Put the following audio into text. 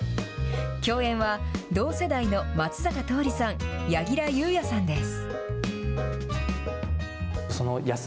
共演は、同世代の松坂桃李さん、柳楽優弥さんです。